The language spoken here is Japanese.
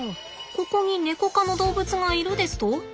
ここにネコ科の動物がいるですと？